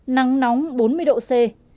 nắng nóng bốn mươi độ c